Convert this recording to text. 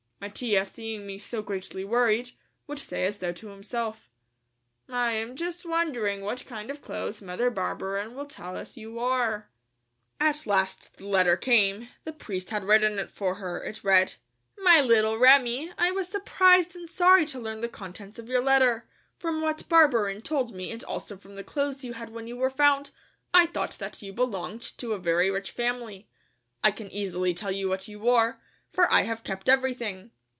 Mattia, seeing me so greatly worried, would say as though to himself: "I am just wondering what kind of clothes Mother Barberin will tell us you wore...." At last the letter came. The priest had written it for her. It read: "My little Remi: I was surprised and sorry to learn the contents of your letter. From what Barberin told me and also from the clothes you had on when you were found, I thought that you belonged to a very rich family. I can easily tell you what you wore, for I have kept everything.